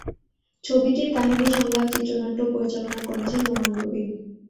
ছবিটির কাহিনী, সংলাপ, চিত্রনাট্য ও পরিচালনা করেছেন নোমান রবিন।